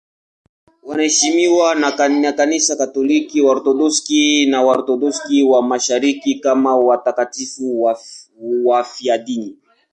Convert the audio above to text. Wanaheshimiwa na Kanisa Katoliki, Waorthodoksi na Waorthodoksi wa Mashariki kama watakatifu wafiadini.